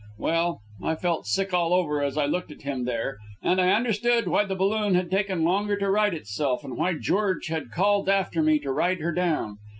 Well, I felt sick all over as I looked at him there, and I understood why the balloon had taken longer to right itself, and why George had called after me to ride her down.